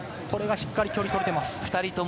しっかり距離が取れています。